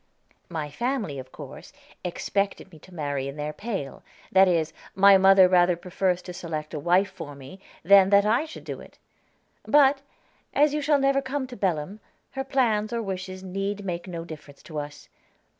My family, of course, expected me to marry in their pale; that is, my mother rather prefers to select a wife for me than that I should do it. But, as you shall never come to Belem, her plans or wishes need make no difference to us.